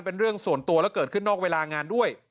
เป็นเรื่องส่วนตัวแล้วเกิดขึ้นนอกเวลางานด้วย